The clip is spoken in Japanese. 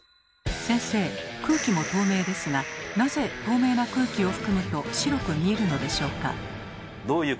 先生空気も透明ですがなぜ透明な空気を含むと白く見えるのでしょうか？